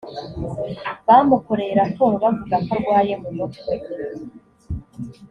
bamukoreye raporo bavuga ko arwaye mu mutwe